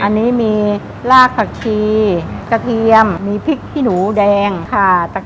อันนี้มีรากผักชีกระเทียมมีพริกขี้หนูแดงค่ะ